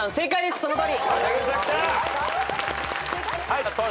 そのとおり。